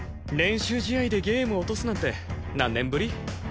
練習試合でゲーム落とすなんて何年ぶり？